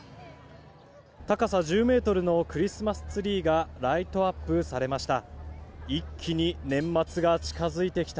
高さ１０ｍのクリスマスツリーがライトアップされました。